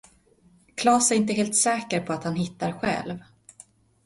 Klas är inte helt säker på att han hittar själv.